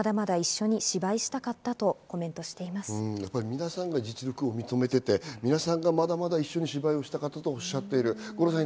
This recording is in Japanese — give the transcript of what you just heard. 皆さんが実力を認めていて、みなさんがまだまだ一緒に仕事したかったとしている。